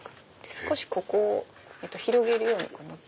少しここを広げるように持って。